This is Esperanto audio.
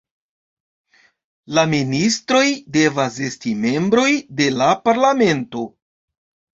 La ministroj devas esti membroj de la parlamento.